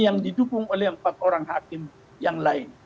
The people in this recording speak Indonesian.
yang didukung oleh empat orang hakim yang lain